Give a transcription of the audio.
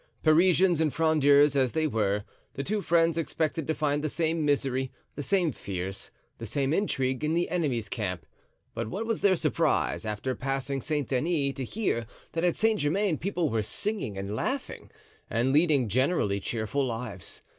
Parisians and Frondeurs as they were, the two friends expected to find the same misery, the same fears, the same intrigue in the enemy's camp; but what was their surprise, after passing Saint Denis, to hear that at Saint Germain people were singing and laughing, and leading generally cheerful lives.